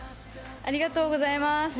ありがとうございます。